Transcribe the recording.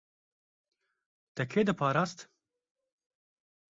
Te kê diparast?